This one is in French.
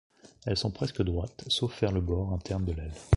Elles sont presque droites, sauf vers le bord interne de l'aile.